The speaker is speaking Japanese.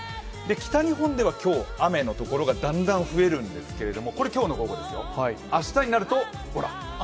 北日本は今日、雨のところがだんだん増えるんですけど今日の午後ですよ、明日になるとほら。